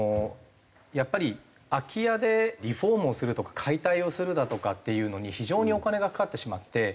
やっぱり空き家でリフォームをするとか解体をするだとかっていうのに非常にお金がかかってしまって。